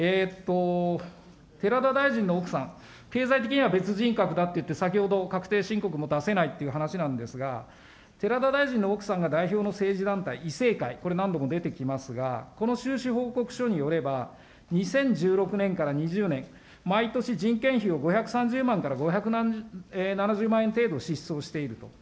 寺田大臣の奥さん、経済的には別人格だっていって、先ほど確定申告も出せないという話なんですが、寺田大臣の奥さんが代表の政治団体、以正会、これ、何度も出てきますが、この収支報告書によれば、２０１６年から２０年、毎年、人件費を５３０万円から５７０万円程度支出をしていると。